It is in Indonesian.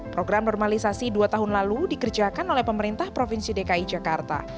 program normalisasi dua tahun lalu dikerjakan oleh pemerintah provinsi dki jakarta